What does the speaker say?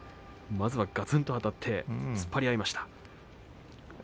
まずはガツンとあたって突っ張り合いました。